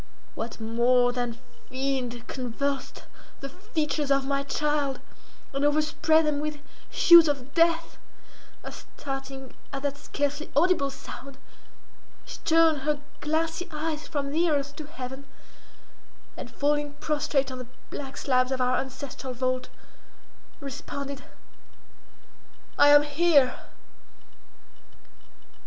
What more than fiend convulsed the features of my child, and overspread them with hues of death, as starting at that scarcely audible sound, she turned her glassy eyes from the earth to heaven, and falling prostrate on the black slabs of our ancestral vault, responded—"I am here!"